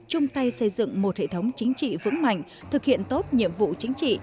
chung tay xây dựng một hệ thống chính trị vững mạnh thực hiện tốt nhiệm vụ chính trị